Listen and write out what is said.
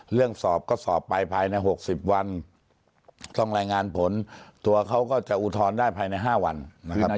สอบก็สอบไปภายใน๖๐วันต้องรายงานผลตัวเขาก็จะอุทธรณ์ได้ภายใน๕วันนะครับ